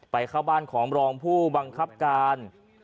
เข้าบ้านของรองผู้บังคับการ